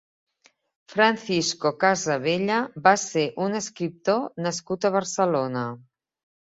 Francisco Casavella va ser un escriptor nascut a Barcelona.